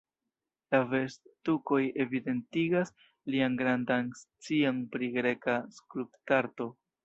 La vest-tukoj evidentigas lian grandan scion pri greka skulptarto.